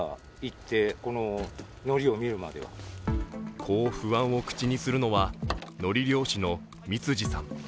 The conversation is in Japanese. こう不安を口にするのはのり漁師の三辻さん。